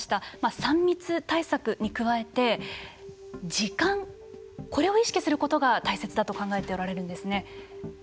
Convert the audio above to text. ３密対策に加えて時間、これを意識することが大切だと考えておられるんですね。